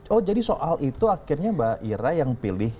oh jadi soal itu akhirnya mbak ira yang pilih